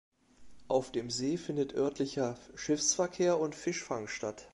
Auf dem See findet örtlicher Schiffsverkehr und Fischfang statt.